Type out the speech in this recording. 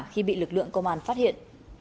khi bị lực lượng công an phát hiện